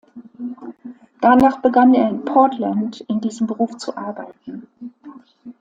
Danach begann er in Portland in diesem Beruf zu arbeiten.